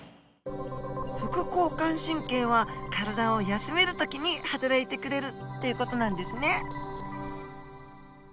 副交感神経は体を休めるときにはたらいてくれるっていう事なんですね。